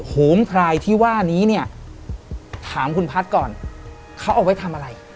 โหมพลายที่ว่านี้เนี่ยถามคุณพัฒน์ก่อนเขาเอาไว้ทำอะไร